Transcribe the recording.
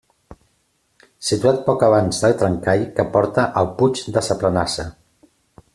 Situat poc abans del trencall que porta al puig de sa Planassa.